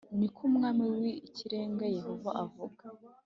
ni ko Umwami w Ikirenga Yehova avuga